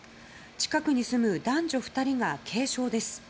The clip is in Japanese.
近くに住む男女２人が軽傷です。